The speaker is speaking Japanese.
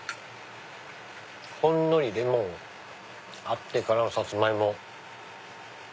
ほんのりレモンあってからのサツマイモ。